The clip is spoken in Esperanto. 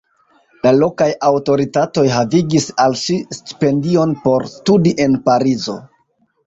La lokaj aŭtoritatoj havigis al ŝi stipendion por studi en Parizo.